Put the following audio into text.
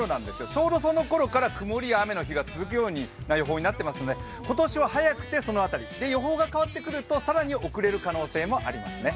ちょうどそのころから曇りや雨の日が続くように予報ではなっていますので今年は早くてその辺り、予報が変わってくると更に遅れる可能性もありますね。